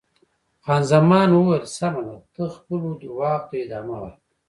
خان زمان وویل: سمه ده، ته خپلو درواغو ته ادامه ورکړه.